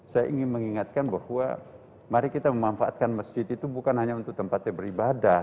saya ingin mengingatkan bahwa mari kita memanfaatkan masjid itu bukan hanya untuk tempatnya beribadah